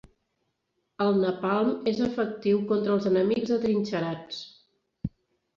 El napalm és efectiu contra els enemics atrinxerats.